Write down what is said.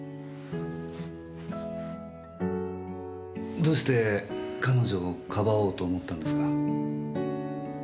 どうして彼女をかばおうと思ったんですか？